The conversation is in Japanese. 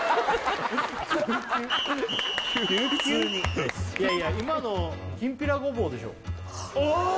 普通にいやいや今の「きんぴらごぼう」でしょああ！